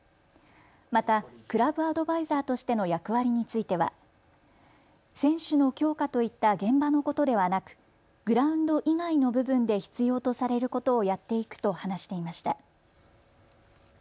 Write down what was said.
またクラブアドバイザーとしての役割については選手の強化といった現場のことではなくグラウンド以外の部分で必要とされることをやっていくと話していました。